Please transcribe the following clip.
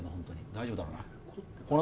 大丈夫だろうな？